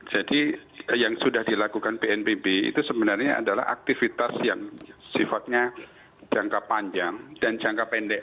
yang sudah dilakukan bnpb itu sebenarnya adalah aktivitas yang sifatnya jangka panjang dan jangka pendek